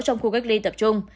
trong khu cách ly tập trung